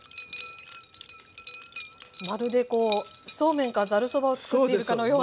まるでこうそうめんかざるそばをつくっているかのような。